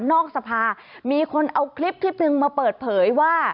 สภามีคนเอาคลิปหนึ่งมาเปิดเผยว่า